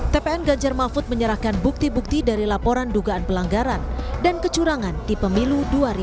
tpn ganjar mahfud menyerahkan bukti bukti dari laporan dugaan pelanggaran dan kecurangan di pemilu dua ribu dua puluh